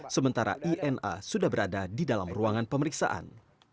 sementara ina sudah berada di dalam ruangan pemeriksaan